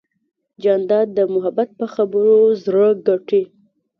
جانداد د محبت په خبرو زړه ګټي.